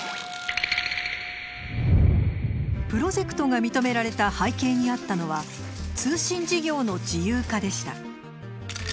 プロジェクトが認められた背景にあったのは通信事業の自由化でした。